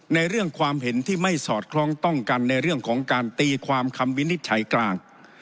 ในเรื่องความเห็นที่ไม่สอดคล้องต้องกันในเรื่องของการตีความคำวินิจฉัยกลาง